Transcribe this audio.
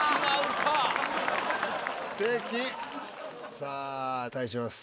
さあ対します